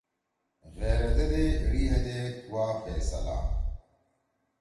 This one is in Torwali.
غیرّدے دے اِیڑی ہیدے کوا فیصلہ